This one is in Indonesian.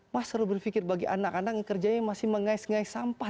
mas seru berpikir bagi anak anak yang kerjanya masih mengais ngais sampah